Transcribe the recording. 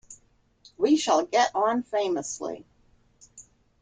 We shall get on famously.